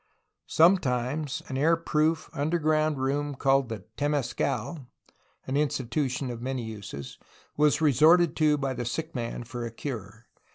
Sometimes an air proof underground room called the "temescal" (an institution of many uses) was resorted to by the sick man for a cure.